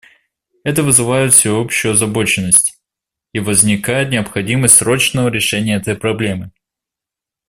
Это вызывает всеобщую озабоченность, и возникает необходимость срочного решения этой проблемы.